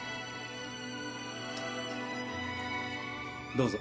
どうぞ。